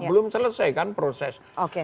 belum selesai kan proses